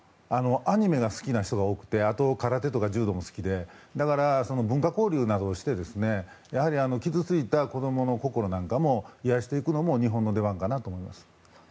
アニメが好きな人が多くてあと、空手とか柔道も好きで文化交流をして傷ついた子供の心なんかを癒やしていくのも日本の出番かなと思います。